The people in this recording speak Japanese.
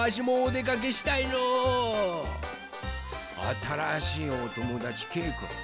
あたらしいおともだちけいくん。